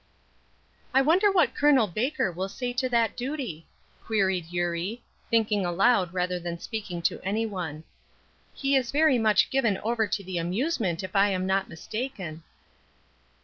"I wonder what Col. Baker will say to that duty?" queried Eurie, thinking aloud rather than speaking to any one. "He is very much given over to the amusement, if I am not mistaken."